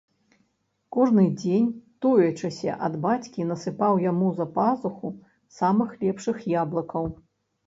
Кожны дзень, тоячыся ад бацькі, насыпаў яму за пазуху самых лепшых яблыкаў.